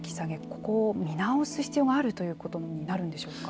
ここを見直す必要があるということになるんでしょうか。